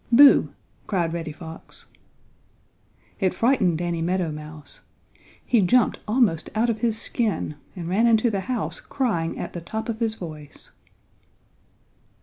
"Boo!" cried Reddy Fox. It frightened Danny Meadow Mouse. He jumped almost out of his skin, and ran into the house crying at the top of his voice.